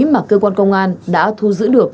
mà cơ quan công an đã thu giữ được